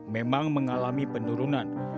memang mengalami penurunan